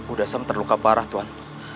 udhasham terluka parah tuan